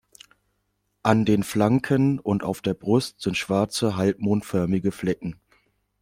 An den Flanken und auf der Brust sind schwarze, halbmondförmige Flecken.